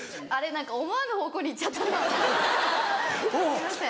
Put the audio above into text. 何か思わぬ方向に行っちゃったなすいません。